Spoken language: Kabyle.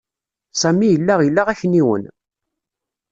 Sami yella ila akniwen.